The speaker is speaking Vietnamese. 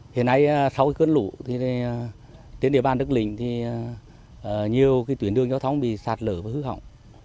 hiện nay sau cơn lũ tuyến địa bàn đức lĩnh thì nhiều cái tuyến đường giao thông bị sạt lở và hư hỏng